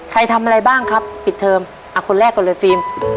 ทำอะไรบ้างครับปิดเทอมอ่ะคนแรกก่อนเลยฟิล์ม